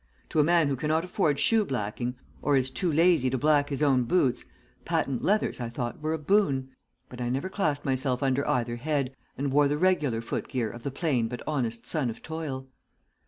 To a man who cannot afford shoe blacking or who is too lazy to black his own boots, patent leathers, I thought, were a boon; but I never classed myself under either head, and wore the regular foot gear of the plain but honest son of toil.